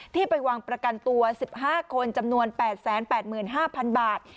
ไปวางประกันตัว๑๕คนจำนวน๘๘๕๐๐๐บาท